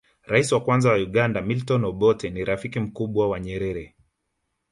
rais wa kwanza wa uganda milton obotte ni rafiki mkubwa wa nyerere